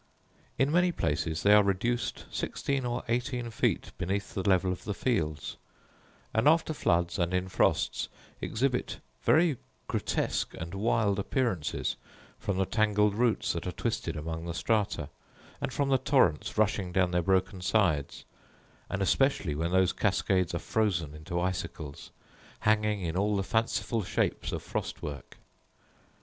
In many places they are reduced sixteen or eighteen feet beneath the level of the fields; and after floods, and in frosts, exhibit very grotesque and wild appearances, from the tangled roots that are twisted among the strata, and from the torrents rushing down their broken sides; and especially when those cascades are frozen into icicles, hanging in all the fanciful shapes of frost work.